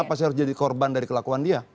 kenapa saya harus jadi korban dari kelakuan dia